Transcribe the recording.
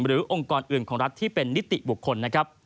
หรือองค์กรอื่นของรัฐที่เป็นนิติบุคคล